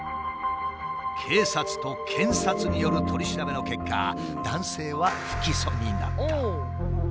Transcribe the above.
警察と検察による取り調べの結果男性は不起訴になった。